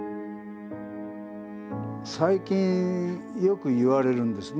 最近よく言われるんですね。